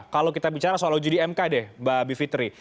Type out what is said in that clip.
kalau kita bicara soal uji di mk deh mbak bivitri